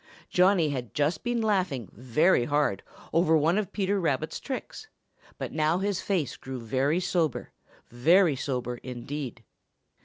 Johnny had just been laughing very hard over one of Peter Rabbit's tricks, but now his face grew very sober, very sober indeed.